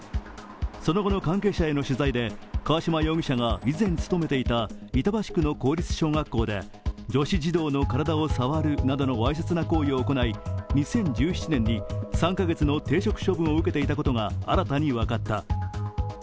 その後の関係者への取材で河嶌容疑者が以前勤めていた板橋区の公立小学校で女子児童などの体を触るなどのわいせつな行為を行い２０１７年に３カ月の停職処分を受けていたことが新たに分かった。